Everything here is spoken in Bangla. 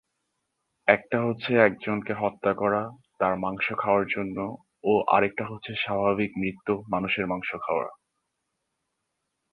একটা হচ্ছে একজনকে হত্যা করা তার মাংস খাওয়ার জন্য ও আরেকটি হচ্ছে স্বাভাবিকভাবে মৃত মানুষের মাংস খাওয়া।